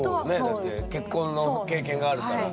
だって結婚の経験があるから。